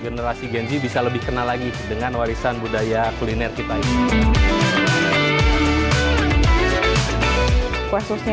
generasi genji bisa lebih kenal lagi dengan warisan budaya kuliner kita